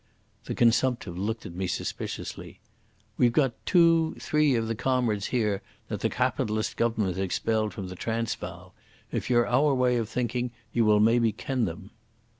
The consumptive looked at me suspiciously. "We've got two—three of the comrades here that the cawpitalist Government expelled from the Transvaal. If ye're our way of thinking, ye will maybe ken them."